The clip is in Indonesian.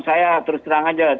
saya terus terang saja